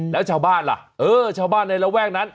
แล้วชาวบ้านล่ะเออชาวบ้านในระแวกนั้น